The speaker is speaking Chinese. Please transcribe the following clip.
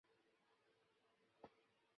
银行里面